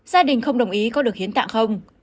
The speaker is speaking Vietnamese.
gia đình không đồng ý có được hiến tạng không